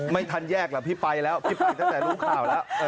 ไม่ทันแยกหรอกพี่ไปแล้วพี่ไปตั้งแต่รู้ข่าวแล้ว